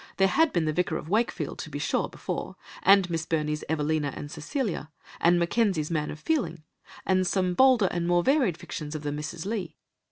There had been The Vicar of Wakefield, to be sure, before, and Miss Burney's Evelina and Cecilia, and Mackenzie's Man of Feeling, and some bolder and more varied fictions of the Misses Lee.